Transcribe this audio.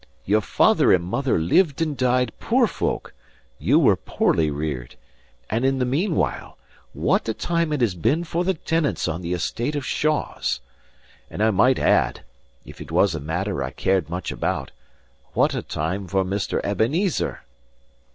Your father and mother lived and died poor folk; you were poorly reared; and in the meanwhile, what a time it has been for the tenants on the estate of Shaws! And I might add (if it was a matter I cared much about) what a time for Mr. Ebenezer!"